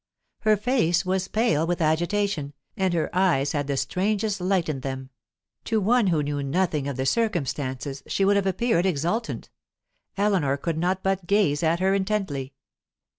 Her face was pale with agitation, and her eyes had the strangest light in them; to one who knew nothing of the circumstances, she would have appeared exultant. Eleanor could not but gaze at her intently.